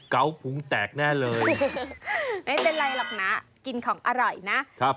เกาพุงแตกแน่เลยไม่เป็นไรหรอกนะกินของอร่อยนะครับ